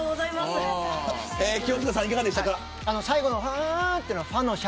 清塚さんいかがでしたか。